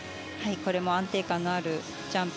これも安定感のあるジャンプ。